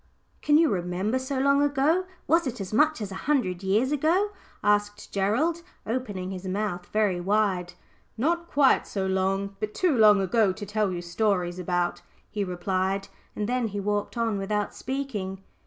"Can you remember so long ago? Was it as much as a hundred years ago?" asked Gerald, opening his mouth very wide. "Not quite so long but too long ago to tell you stories about," he replied, and then he walked on without speaking.